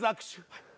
はい。